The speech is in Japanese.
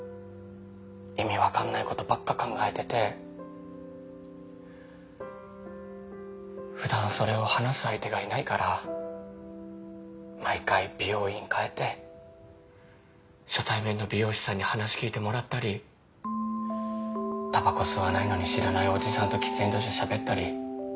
意味分かんないことばっか考えてて普段それを話す相手がいないから毎回美容院変えて初対面の美容師さんに話聞いてもらったりたばこ吸わないのに知らないおじさんと喫煙所でしゃべったり。